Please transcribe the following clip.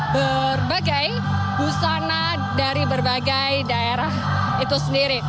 berbagai busana dari berbagai daerah itu sendiri